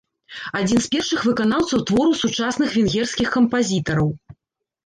Адзін з першых выканаўцаў твораў сучасных венгерскіх кампазітараў.